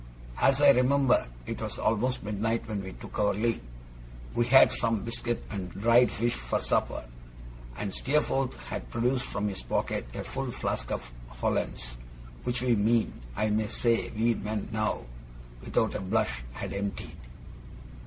As I remember, it was almost midnight when we took our leave. We had had some biscuit and dried fish for supper, and Steerforth had produced from his pocket a full flask of Hollands, which we men (I may say we men, now, without a blush) had emptied.